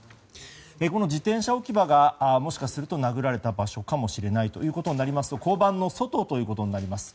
この自転車置き場がもしかすると殴られた場所かもしれないということになりますと交番の外ということになります。